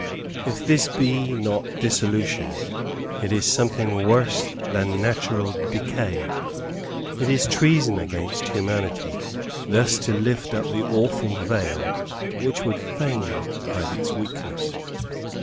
If this be not dissolution, it is something worse than natural decay it is treason against humanity, thus to lift up the awful veil which would fain hide its weakness.